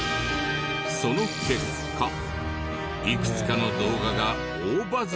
その結果いくつかの動画が大バズり！